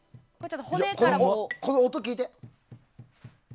この音、聞いて。